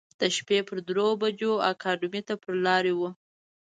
د شپې پر درو بجو اکاډمۍ ته پر لار و.